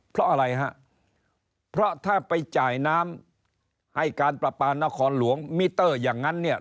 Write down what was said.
เพราะอะไรฮะเพราะถ้าไปจ่ายน้ำให้การประปานครหลวงมิเตอร์อย่างนั้นเนี่ย